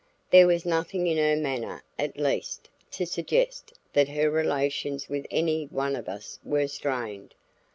There was nothing in her manner, at least, to suggest that her relations with any one of us were strained.